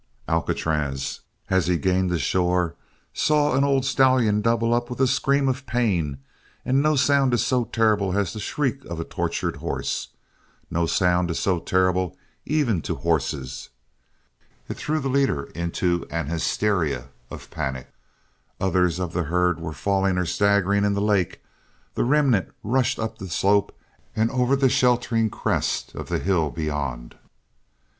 Alcatraz, as he gained the shore, saw an old stallion double up with a scream of pain and no sound is so terrible as the shriek of a tortured horse. No sound is so terrible even to horses. It threw the leader into an hysteria of panic. Others of the herd were falling or staggering in the lake; the remnant rushed up the slope and over the sheltering crest of the hill beyond.